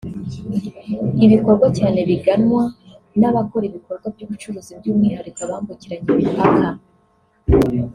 ibikorwa cyane biganwa n’abakora ibikorwa by’ubucuruzi by’umwihariko abambukiranya imipaka